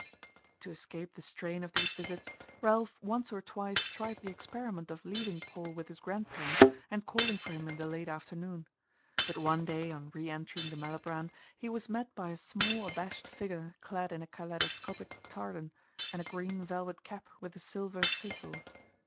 To escape the strain of these visits, Ralph once or twice tried the experiment of leaving Paul with his grand parents and calling for him in the late afternoon; but one day, on re entering the Malibran, he was met by a small abashed figure clad in a kaleidoscopic tartan and a green velvet cap with a silver thistle.